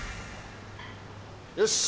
よし！